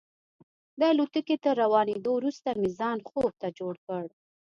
د الوتکې تر روانېدو وروسته مې ځان خوب ته جوړ کړ.